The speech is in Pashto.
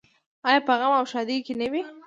آیا په غم او ښادۍ کې نه وي؟